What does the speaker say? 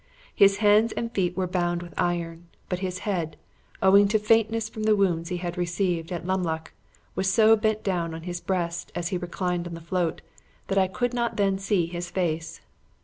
His hands and feet were bound with iron; but his head, owing to faintness from the wounds he had received at Lumloch, was so bent down on his breast as he reclined on the float, that I could not then see his face.